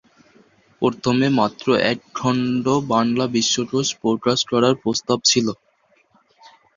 প্রথমে মাত্র এক খন্ড বাংলা বিশ্বকোষ প্রকাশ করার প্রস্তাব ছিল।